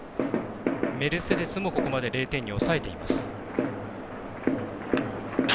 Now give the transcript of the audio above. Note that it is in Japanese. メルセデスもここまで０点に抑えています。